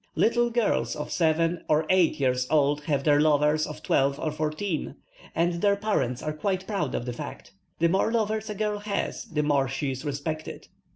Little girls of seven or eight years old have their lovers of twelve or fourteen, and their parents are quite proud of the fact. The more lovers a girl has the more she is respected.